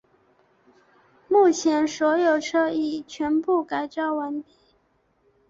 目前所有车已全部改造完毕。